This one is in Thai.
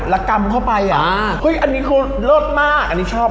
ละกรรมเข้าไปอ่ะอ่าอุ้ยอันนี้เขาโรธมากอันนี้ชอบ